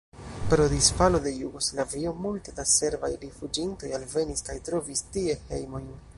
Pro disfalo de Jugoslavio multe da serbaj rifuĝintoj alvenis kaj trovis tie hejmojn.